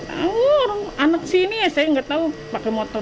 tidak tahu anak sini ya saya tidak tahu pakai motor apa tidak ya